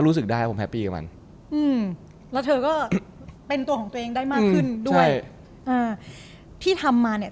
แล้วเธอก็เป็นตัวของตัวเองได้มากขึ้นด้วย